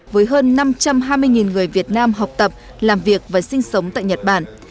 với hơn năm trăm hai mươi người việt nam học tập làm việc và xét nghiệm